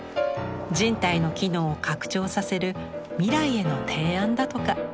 人体の機能を拡張させる未来への提案だとか。